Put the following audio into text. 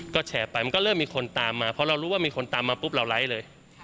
ก็แชร์ไปมันก็เริ่มมีคนตามมาเพราะเรารู้ว่ามีคนตามมาปุ๊บเราไลค์เลย